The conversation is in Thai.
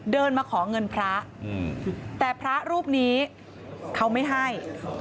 เดินมาขอเงินพระแต่พระรูปนี้เขาไม่ให้